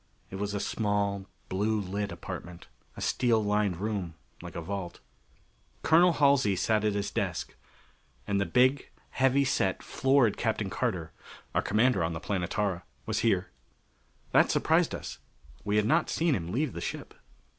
It was a small blue lit apartment a steel lined room like a vault. Colonel Halsey sat at his desk. And the big, heavy set, florid Captain Carter our commander on the Planetara was here. That surprised us: we had not seen him leave the ship.